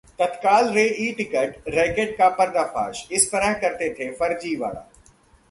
तत्काल rail e ticket racket का पर्दाफाश, इस तरह करते थे फर्जीवाड़ा